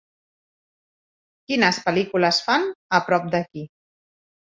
Quines pel·lícules fan a prop d'aquí